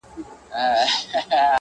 هر قدم بل قدم کښې ونګ د همت واچولو